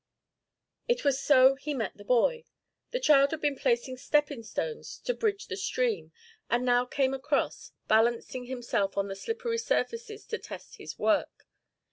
It was so he met the boy. The child had been placing stepping stones to bridge the stream, and now came across, balancing himself on the slippery surfaces to test his work.